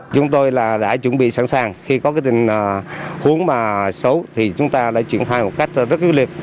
chúng tôi đã chuẩn bị sẵn sàng khi có tình huống mà xấu thì chúng ta đã triển khai một cách rất quyết liệt